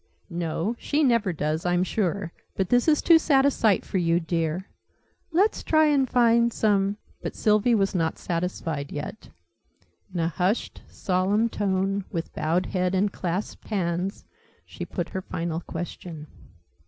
"No, she never does, I'm sure but this is too sad a sight for you, dear. Let's try and find some " But Sylvie was not satisfied yet. In a hushed, solemn tone, with bowed head and clasped hands, she put her final question.